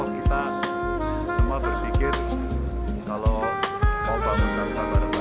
kita semua berpikir kalau mau panggil dan sama sama